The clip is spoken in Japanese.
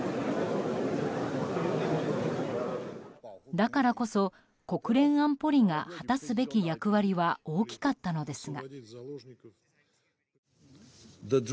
だからこそ国連安保理が果たすべき役割は大きかったのですが。